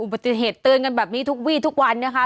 ปฏิเหตุเตือนกันแบบนี้ทุกวีทุกวันนะคะ